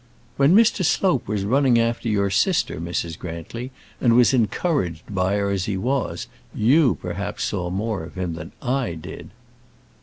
"When Mr. Slope was running after your sister, Mrs. Grantly, and was encouraged by her as he was, you perhaps saw more of him than I did."